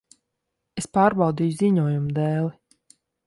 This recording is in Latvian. Es pārbaudīju ziņojumu dēli.